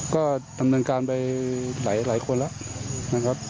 ก็ทำเป็นการไปหลายหลายคนแล้วอืมนะครับ